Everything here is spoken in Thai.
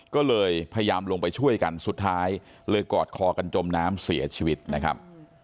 ก็เลยพยายามลงไปช่วยกันสุดท้ายเลยกอดคอกันจมน้ำเสียชีวิตนะครับ